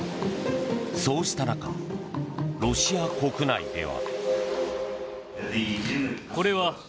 そうした中、ロシア国内では。